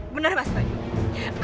bener mas fahyuk